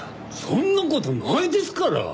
そんな事ないですから！